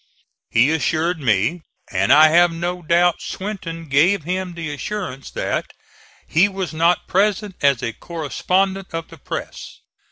He assured me and I have no doubt Swinton gave him the assurance that he was not present as a correspondent of the press.